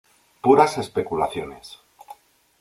Puras especulaciones.